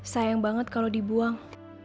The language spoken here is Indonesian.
sayang banget kalau dibuang